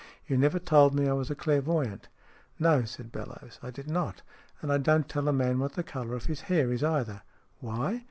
You never told me I was a clairvoyant." " No," said Bellowes, " I did not. And I don't tell a man what the colour of his hair is, either. Why